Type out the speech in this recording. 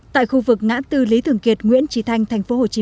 tại khu vực ngã tư lý thường kiệt nguyễn trì thanh tp hcm